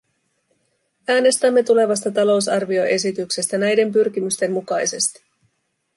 Äänestämme tulevasta talousarvioesityksestä näiden pyrkimysten mukaisesti.